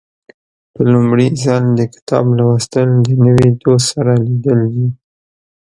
په لومړي ځل د کتاب لوستل د نوي دوست سره لیدل دي.